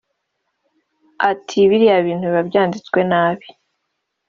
Ati “Biriya bintu biba byabitswe nabi